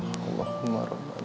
maksudnya kita bisa berbual